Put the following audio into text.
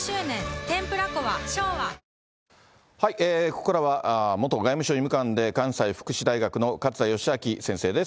ここからは元外務省医務官で、関西福祉大学の勝田吉彰先生です。